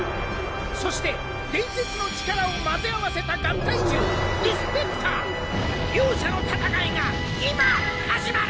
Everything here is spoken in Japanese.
そして伝説の力を混ぜ合わせた合体獣ディスペクター。両者の戦いが今始まる！